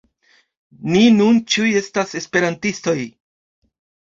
Ni nun ĉiuj estas esperantistoj!